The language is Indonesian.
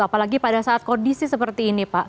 apalagi pada saat kondisi seperti ini pak